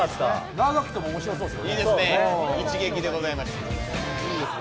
長くても面白そうですね。